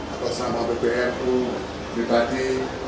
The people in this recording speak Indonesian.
atau sama bbmu pribadi